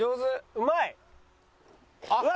うまい！